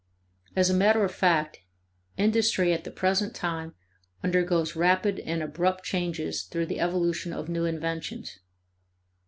As a matter of fact, industry at the present time undergoes rapid and abrupt changes through the evolution of new inventions.